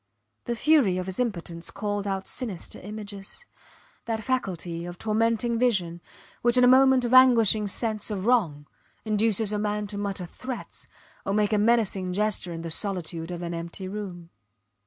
The fury of his impotence called out sinister images, that faculty of tormenting vision, which in a moment of anguishing sense of wrong induces a man to mutter threats or make a menacing gesture in the solitude of an empty room.